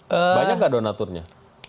banyak nggak donaturnya